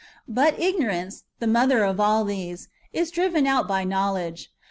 But ignorance, the mother of all these, is driven out by know ledge.